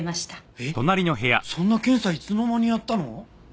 えっそんな検査いつの間にやったの？